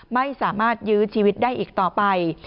ไม่สามารถยื้อชีวิตได้อีกต่อไป